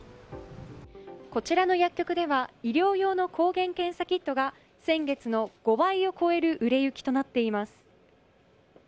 こちらの薬局では医療用の抗原検査キットが先月の５倍を超える売れ行きとなっています。